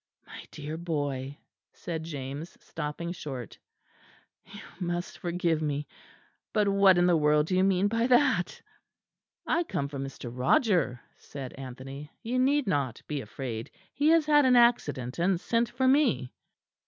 '" "My dear boy," said James, stopping short, "you must forgive me; but what in the world do you mean by that?" "I come from Mr. Roger," said Anthony, "you need not be afraid. He has had an accident and sent for me."